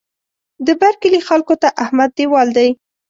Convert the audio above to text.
د بر کلي خلکو ته احمد دېوال دی.